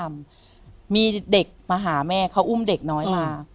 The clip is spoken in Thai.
มีเด็กมาหาแม่เขาอุ้มเด็กน้อยมา